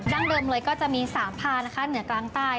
ด้านเดิมเลยก็จะมีสามภาคนะคะเหนือกลางใต้